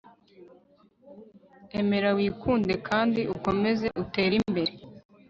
emera, wikunde, kandi ukomeze utere imbere